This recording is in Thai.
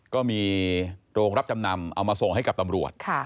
ก็มีโรงรับจำนำเอามาส่งให้กับตำรวจ